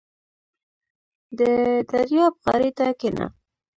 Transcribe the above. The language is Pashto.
• د دریاب غاړې ته کښېنه.